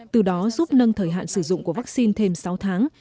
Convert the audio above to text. từ đó giúp nâng thời hạn sử dụng của vắc xin thêm sáu tháng